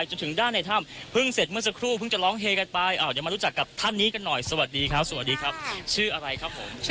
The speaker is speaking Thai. ชื่อคุณป้ามารินีใจกาบนะครับ